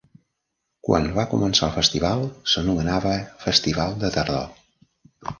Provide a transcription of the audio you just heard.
Quan va començar el festival s'anomenava "Festival de Tardor".